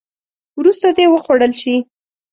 وروسته دې وخوړل شي.